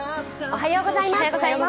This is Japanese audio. おはようございます。